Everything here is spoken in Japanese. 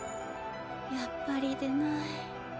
やっぱり出ない。